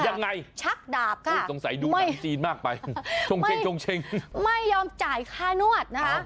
ยังไงชักดาบค่ะไม่ไม่ไม่ยอมจ่ายค้านวดนะคะ